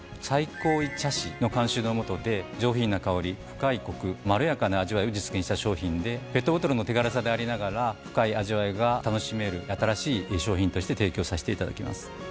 最高茶師の監修の下で上品な香り深いコクまろやかな味わいを実現した商品でペットボトルの手軽さでありながら深い味わいが楽しめる新しい商品として提供させていただきます。